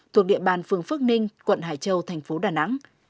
thuộc địa bàn phường phước ninh quận hải châu tp đà nẵng